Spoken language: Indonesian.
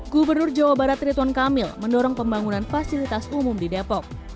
gubernur jawa barat rituan kamil mendorong pembangunan fasilitas umum di depok